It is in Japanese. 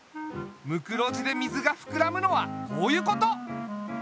ムクロジで水がふくらむのはこういうこと！